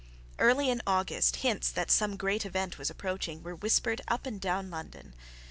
Early in August hints that some great event was approaching were whispered up and down London.